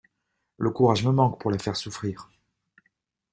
Le courage me manque pour la faire souffrir!